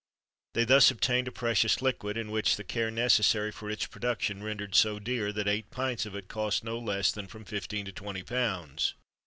They thus obtained a precious liquid, and which the care necessary for its production rendered so dear, that eight pints of it cost no less than from fifteen to twenty pounds.